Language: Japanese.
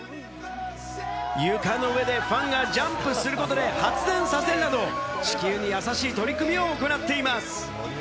床の上でファンがジャンプすることで発電させるなど、地球に優しい取り組みを行っています。